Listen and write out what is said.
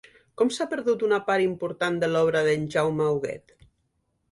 Com s'ha perdut una part important de l'obra de Jaume Huguet?